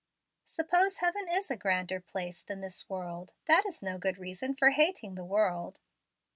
Suppose heaven is a grander place than this world, that is no good reason for hating the world.